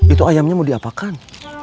itu ayamnya mau diapakan